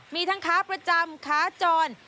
มีทั้งค้าประจำค้าจร